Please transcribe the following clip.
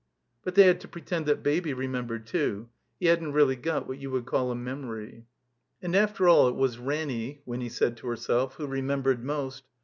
But they had to pretend that Baby remembered, too. He hadn't really got what you would call a memory. And, after all, it was Ranny (Winny said to her self) who remembered most.